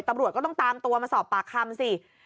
ตำรวจก็ต้องตามตัวมาสอบปากคำสิ